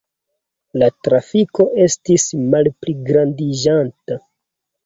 La trafiko estis malpligrandiĝanta.